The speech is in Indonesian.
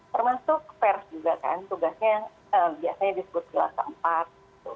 termasuk pers juga kan tugasnya biasanya disebut gelas tempat